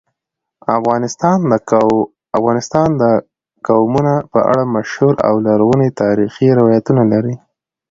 افغانستان د قومونه په اړه مشهور او لرغوني تاریخی روایتونه لري.